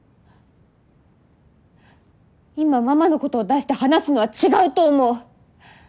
今ママのことを出して話すのは違うと思う！